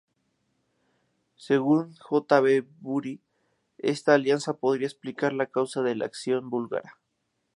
Según J. B. Bury, esta alianza podría explicar la causa de la acción búlgara.